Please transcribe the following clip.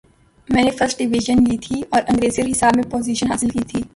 میں نے first division لی تھی اور انگریزی اور حساب میں پوزیشن حاصل کی تھی۔